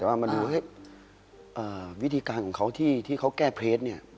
แต่ว่ามาดูวิธีการของเขาที่เขาแก้เพลสเนี่ย